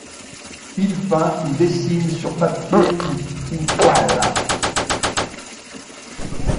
Il peint ou dessine sur papier ou toile.